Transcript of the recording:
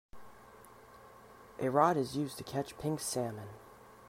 A rod is used to catch pink salmon.